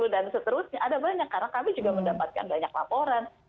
dan seterusnya ada banyak karena kami juga mendapatkan banyak laporan